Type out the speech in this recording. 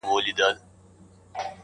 يوه مياشت وروسته هم خلک د هغې کيسه يادوي